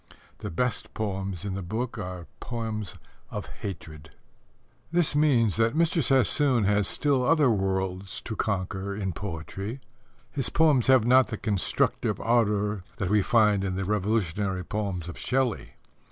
The best poems in the book are poems of hatred. This means that Mr. Sassoon has still other worlds to conquer in poetry. His poems have not the constructive ardour that we find in the revolutionary poems of Shelley.